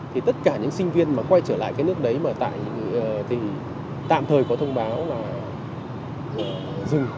thì tất cả những sinh viên mà quay trở lại cái nước đấy mà tại thì tạm thời có thông báo là dừng